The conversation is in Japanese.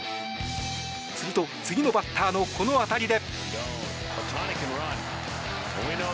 すると、次のバッターのこの当たりで。